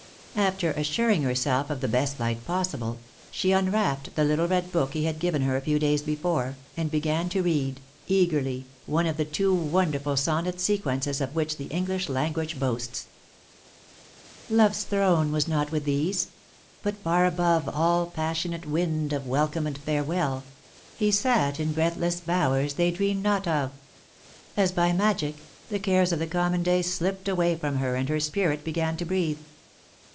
After assuring herself of the best light possible, she unwrapped the little red book he had given her a few days before, and began to read, eagerly, one of the two wonderful sonnet sequences of which the English language boasts: "Love's throne was not with these; but far above All passionate wind of welcome and farewell He sat in breathless bowers they dream not of;" [Sidenote: Upon the Heights] As by magic, the cares of the common day slipped away from her and her spirit began to breathe.